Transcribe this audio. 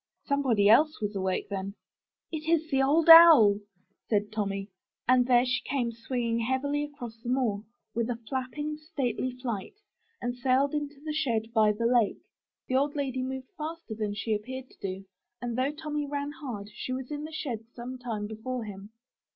Somebody else was awake, then. *'It's the Old Owl,*' said Tommy; and there she came swinging heavily across the moor with a flapping, stately flight, and sailed into the shed by the lake. 27 MY BOOK HOUSE The old lady moved faster than she appeared to do, and though Tommy ran hard she was in the shed some time before him.